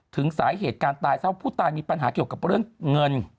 ถึงสาเหตุการตายเศร้าผู้ตายมีปัญหาเกี่ยวกับเรื่องเงิน